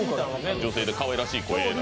女性で、かわいらしい声の。